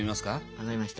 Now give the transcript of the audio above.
分かりました。